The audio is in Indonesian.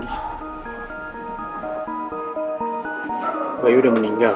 ketika bayu sudah meninggal bayu sudah meninggal